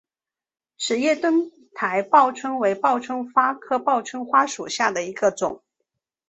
齿叶灯台报春为报春花科报春花属下的一个种。